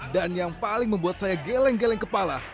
yang paling membuat saya geleng geleng kepala